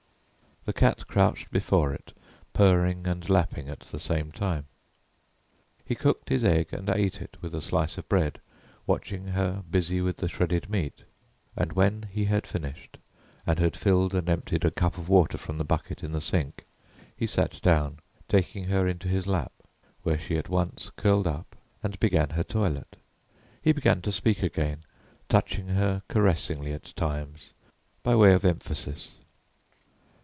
The cat crouched before it, purring and lapping at the same time. He cooked his egg and ate it with a slice of bread, watching her busy with the shredded meat, and when he had finished, and had filled and emptied a cup of water from the bucket in the sink, he sat down, taking her into his lap, where she at once curled up and began her toilet. He began to speak again, touching her caressingly at times by way of emphasis.